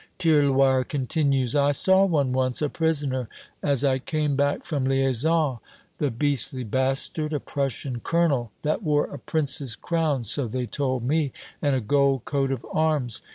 Tirloir continues: "I saw one once, a prisoner, as I came back from liaison. The beastly bastard! A Prussian colonel, that wore a prince's crown, so they told me, and a gold coat of arms.